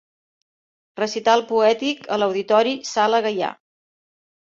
Recital poètic a l'Auditori Sala Gaià.